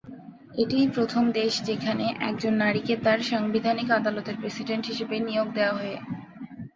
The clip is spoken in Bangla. এটিই প্রথম দেশ যেখানে একজন নারীকে তার সাংবিধানিক আদালতের প্রেসিডেন্ট হিসেবে নিয়োগ দেওয়া হয়ে।